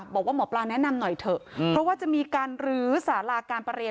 บอกว่าหมอปลาแนะนำหน่อยเถอะเพราะว่าจะมีการรื้อสาราการประเรียน